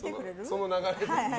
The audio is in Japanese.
その流れで。